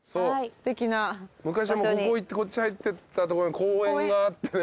昔はここ行ってこっち入ってった所に公園があってね